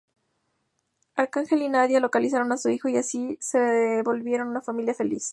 Arcángel y Nadia localizaron a su hijo, y así se volvieron una familia feliz.